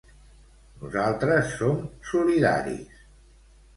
Nosaltres som solidaris.